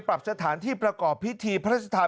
ปรับสถานที่ประกอบพิธีพระราชทาน